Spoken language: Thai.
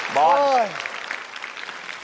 บอส